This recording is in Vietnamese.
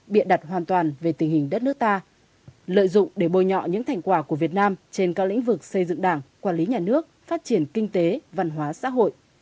bịa đặt hoàn toàn về tình hình đất nước ta lợi dụng để bồi nhọ những thành quả của việt nam trên các lĩnh vực xây dựng đảng quản lý nhà nước phát triển kinh tế văn hóa xã hội